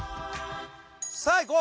さぁいこう！